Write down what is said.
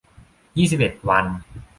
ยี่สิบเอ็ด วัน